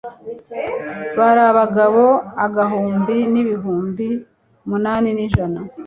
bari abagabo agahumbi n ibihumbi munani n ijana